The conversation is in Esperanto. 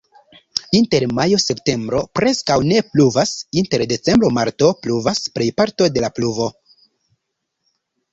Inter majo-septembro preskaŭ ne pluvas, inter decembro-marto pluvas plejparto de la pluvo.